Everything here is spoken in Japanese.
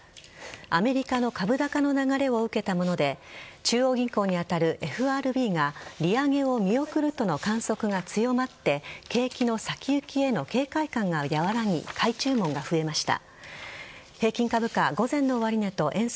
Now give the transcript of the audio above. アメリカの株高の流れを受けたもので中央銀行に当たるＦＲＢが利上げを見送るとの観測が強まって景気の先行きへの警戒感が和らぎ買い注文が増えました。